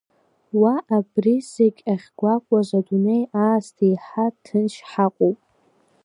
Уа абри зегь ахьгәаҟуаз адунеи аасҭа еиҳа ҭынч ҳаҟоуп.